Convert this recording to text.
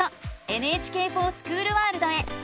「ＮＨＫｆｏｒＳｃｈｏｏｌワールド」へ。